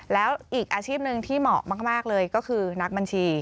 แล้วอีกอาชีพหนึ่งที่เหมาะมากเลยก็คือนักบัญชี